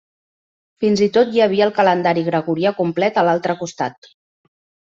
Fins i tot hi havia el calendari gregorià complet a l'altre costat.